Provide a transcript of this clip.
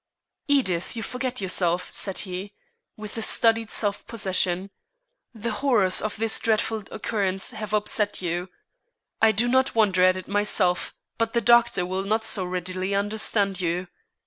"Edith, you forget yourself," said he, with studied self possession. "The horrors of this dreadful occurrence have upset you. I do not wonder at it myself, but the doctor will not so readily understand you.